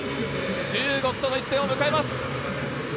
中国との一戦を迎えます。